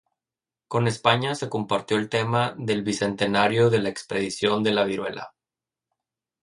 Con España se compartió el tema del Bicentenario de la Expedición de la Viruela.